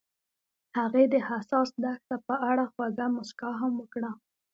هغې د حساس دښته په اړه خوږه موسکا هم وکړه.